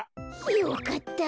よかった。